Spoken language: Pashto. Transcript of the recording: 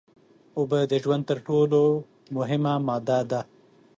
اوبه د ژوند تر ټول مهمه ماده ده